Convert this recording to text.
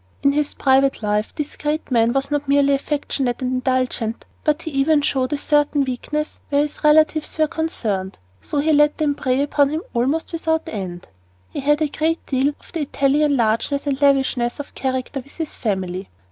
In his private life this great man was not merely affectionate and indulgent, but he even showed a certain weakness where his relatives were concerned, so that he let them prey upon him almost without end. He had a great deal of the Italian largeness and lavishness of character with his family.